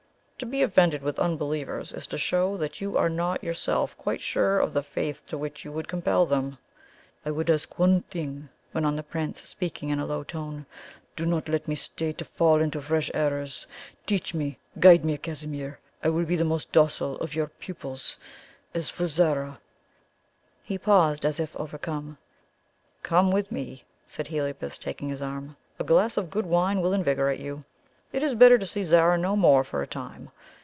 To be offended with unbelievers is to show that you are not yourself quite sure of the faith to which you would compel them." "I would ask you one thing," went on the Prince, speaking in a low tone. "Do not let me stay to fall into fresh errors. Teach me guide me, Casimir; I will be the most docile of your pupils. As for Zara " He paused, as if overcome. "Come with me," said Heliobas, taking his arm; "a glass of good wine will invigorate you. It is better to see Zara no more for a time.